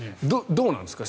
どうなんですか？